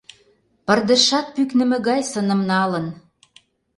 Пырдыжшат пӱкнымӧ гай сыным налын.